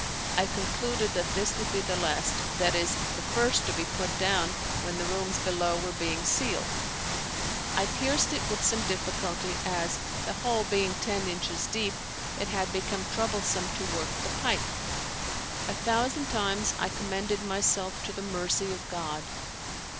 I concluded that this would be the last; that is the first to be put down when the rooms below were being ceiled. I pierced it with some difficulty, as, the hole being ten inches deep, it had become troublesome to work the pike. A thousand times I commended myself to the mercy of God.